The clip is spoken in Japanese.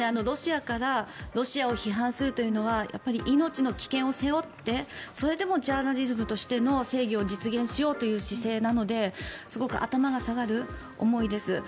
ロシアからロシアを批判するというのはやっぱり命の危険を背負ってそれでもジャーナリズムとしての正義を実現しようという姿勢なのですごく頭が下がる思いです。